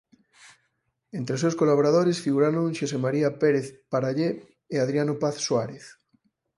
Entre os seus colaboradores figuraron Xosemaría Pérez Parallé e Adriano Paz Suárez.